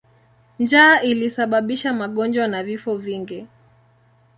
Njaa ilisababisha magonjwa na vifo vingi.